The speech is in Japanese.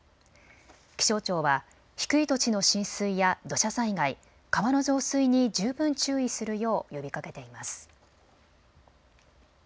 気象庁は低い土地の浸水や土砂災害、川の増水に十分注意するよう呼びかけています。